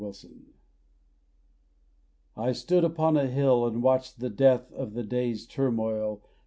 Prayer. I stood upon a hill, and watched the death Of the day's turmoil.